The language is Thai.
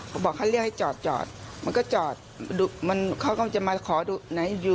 ก็บอกเขาเรียกให้จอดมันก็จาดดูมันเขาก็จะมาขอดูหน่อย